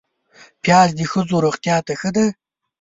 پیاز د ښځو روغتیا ته ښه دی